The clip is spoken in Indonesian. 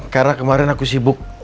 karena kemarin aku sibuk